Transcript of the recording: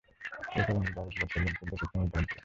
এরপর আমি দাউস গোত্রের লোকদের ডেকে ইসলামের দাওয়াত দিলাম।